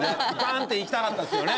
ッていきたかったですよね。